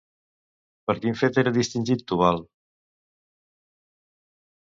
Per quin fet era distingit Tubal?